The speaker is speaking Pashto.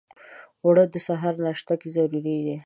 اوړه د سهار ناشته کې ضرور دي